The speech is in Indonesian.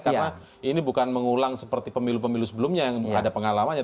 karena ini bukan mengulang seperti pemilu pemilu sebelumnya yang ada pengalamannya